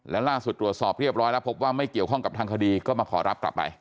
และล่าสุดตรวจสอบเรียบร้อยแล้วพบว่าไม่เกี่ยวข้องกับทางคดีก็มาขอรับกลับไป